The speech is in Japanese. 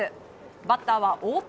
バッターは太田。